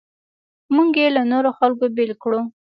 موږ یې له نورو خلکو بېل کړو.